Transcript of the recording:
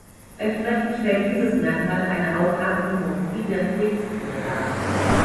Entsprechend stellt dieses Merkmal eine Autapomorphie der Krebstiere dar.